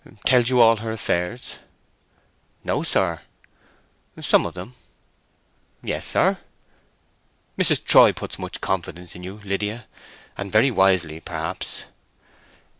"Tells you all her affairs?" "No, sir." "Some of them?" "Yes, sir." "Mrs. Troy puts much confidence in you, Lydia, and very wisely, perhaps."